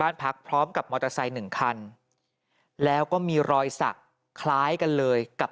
หลังจากพบศพผู้หญิงปริศนาตายตรงนี้ครับ